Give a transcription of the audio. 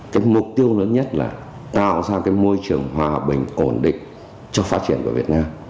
cái mục tiêu lớn nhất là tạo ra cái môi trường hòa bình ổn định cho phát triển của việt nam